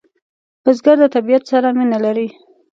بزګر د طبیعت سره مینه لري